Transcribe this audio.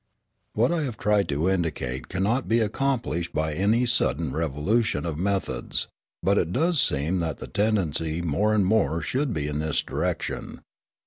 What I have tried to indicate cannot be accomplished by any sudden revolution of methods, but it does seem that the tendency more and more should be in this direction.